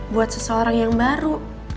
buat seseorang yang baru